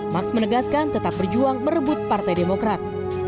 max menegaskan tetap berjuang merebut partai demokrat